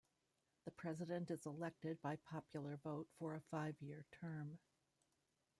The president is elected by popular vote for a five-year term.